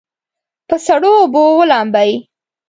په سړو اوبو ولامبئ.